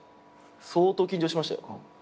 相当緊張しましたよ。